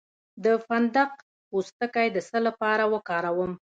د فندق پوستکی د څه لپاره وکاروم؟